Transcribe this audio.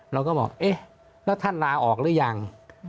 เราก็บอกเอ๊ะแล้วท่านลาออกหรือยัง